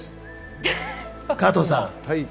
加藤さん